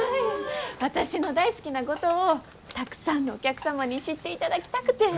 私の大好きな五島をたくさんのお客様に知っていただきたくて。